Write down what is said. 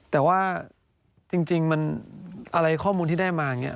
แต่ว่าจริงอะไรข้อมูลที่ได้มาเนี่ย